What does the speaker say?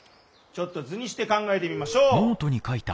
ちょっと図にして考えてみましょう。